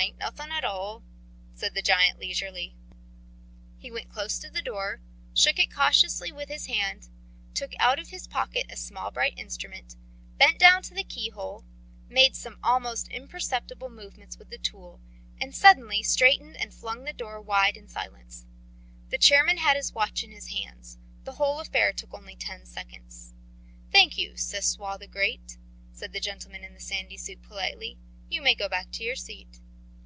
"'Tain't nothin' at all," said the giant leisurely. He went close to the door, shook it cautiously with his hand, took out of his pocket a small bright instrument, bent down to the keyhole, made some almost imperceptible movements with the tool, suddenly straightened and flung the door wide in silence. The chairman had his watch in his hands. The whole affair took only ten seconds. "Thank you, Sesoi the Great," said the gentleman in the sandy suit politely. "You may go back to your seat."